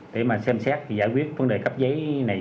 để mà xem xét thì giải quyết vấn đề cấp giấy này